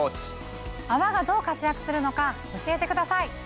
泡がどう活躍するのか教えてください。